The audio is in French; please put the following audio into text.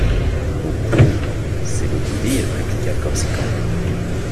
Beaucoup!... c’est beaucoup dire ! répliqua Corsican.